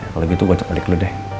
kalo gitu gue cek balik dulu deh